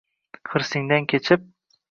Hirsingdan kechib